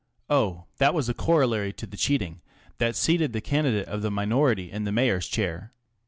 Oh, that was a corollary of the cheating that seated the candidate of the minority in the Mayor's chair.